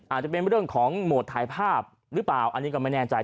อาจจะเป็นเรื่องของโหมดถ่ายภาพหรือเปล่าอันนี้ก็ไม่แน่ใจ